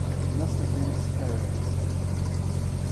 "It must have been a sparrow," he said.